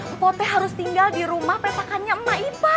mpok teh harus tinggal di rumah petakannya mak ipa